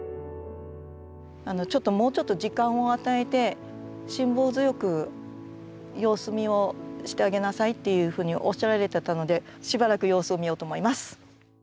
ちょっともうちょっと時間を与えて辛抱強く様子見をしてあげなさいっていうふうにおっしゃられてたのでしばらく様子を見ようと思います。